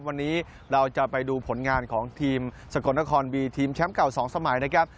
วันนี้เราจะไปดูผลงานของทีมสกลนครบีทีมแชมป์เก่า๒สมัยนะครับ